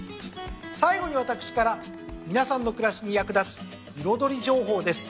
最後に私から皆さんの暮らしに役立つ彩り情報です。